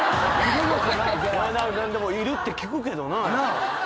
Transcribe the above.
いるって聞くけどな。